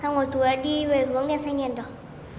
xong rồi chú ấy đi về hướng đen xanh nền rồi